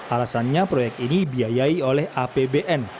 alasannya proyek ini biayai oleh apbn